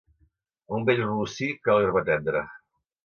A un vell rossí, cal herba tendra.